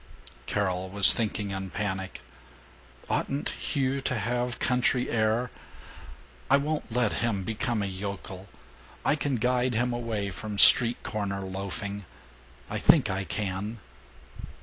Carol was thinking, in panic, "Oughtn't Hugh to have country air? I won't let him become a yokel. I can guide him away from street corner loafing. ... I think I can."